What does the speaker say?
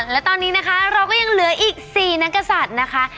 และตอนนี้เราก็ยังเหลือ๔นักกับสัตว์นะคะ